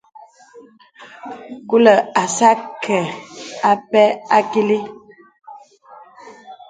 Kùlə̀ asə̄ akɛ̂ apɛ akìlì.